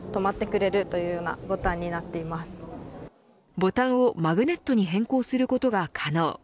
ボタンをマグネットに変更することが可能。